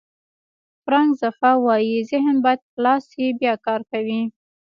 فرانک زفا وایي ذهن باید خلاص شي بیا کار کوي.